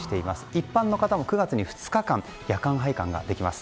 一般の方も９月に２日間夜間拝観ができます。